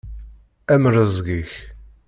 Am rrezg-ik!